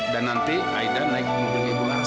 dan nanti aida naik mobil ibu laras